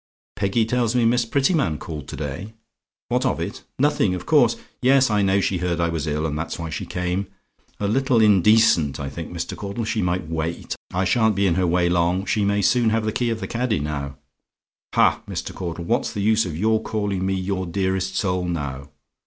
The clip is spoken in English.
"Peggy tells me, Miss Prettyman called to day. "WHAT OF IT? "Nothing, of course. Yes; I know she heard I was ill, and that's why she came. A little indecent, I think, Mr. Caudle; she might wait; I shan't be in her way long; she may soon have the key of the caddy, now. "Ha! Mr. Caudle, what's the use of your calling me your dearest soul now?